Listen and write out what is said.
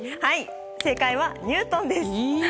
正解はニュートンです。